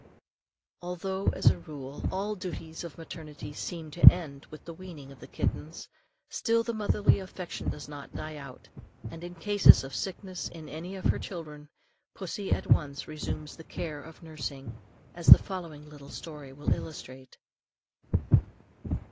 Although, as a rule, all the duties of maternity seem to end with the weaning of the kitten, still the motherly affection does not die out; and in cases of sickness in any of her children, pussy at once resumes the cares of nursing, as the following little story will illustrate.